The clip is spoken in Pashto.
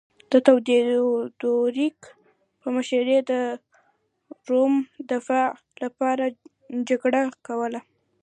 د تیودوریک په مشرۍ د روم دفاع لپاره جګړه کوله